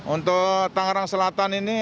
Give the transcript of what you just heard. untuk tangerang selatan ini